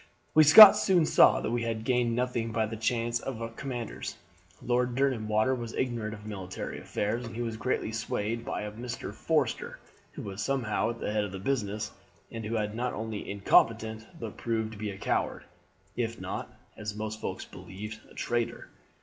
"We Scots soon saw that we had gained nothing by the change of commanders. Lord Derwentwater was ignorant of military affairs, and he was greatly swayed by a Mr. Forster, who was somehow at the head of the business, and who was not only incompetent, but proved to be a coward, if not, as most folks believed, a traitor.